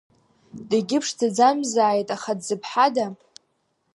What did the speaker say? Дегьыԥшӡаӡамзааит, аха дзыԥҳада?